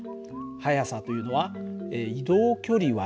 速さというのは移動距離÷